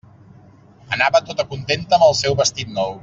Anava tota contenta amb el seu vestit nou.